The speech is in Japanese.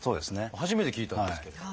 初めて聞いたんですけれど。